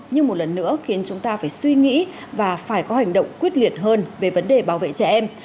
nhưng một lần nữa khiến chúng ta phải suy nghĩ và phải có hành động quyết liệt hơn về vấn đề bảo vệ trẻ em